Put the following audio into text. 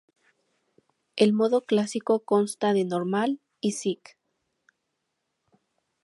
En modo clásico consta de "Normal" y "Sick".